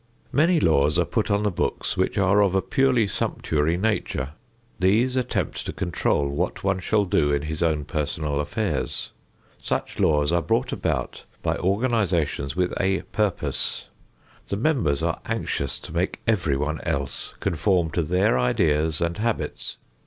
Many laws are put on the books which are of a purely sumptuary nature; these attempt to control what one shall do in his own personal affairs. Such laws are brought about by organizations with a "purpose". The members are anxious to make everyone else conform to their ideas and habits.